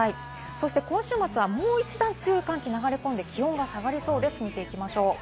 そして今週末はもう一段強い寒気が流れ込んで気温が下がりそうです、見ていきましょう。